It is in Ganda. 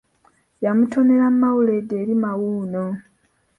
Yamutonera mawuleddi eri mawuuno.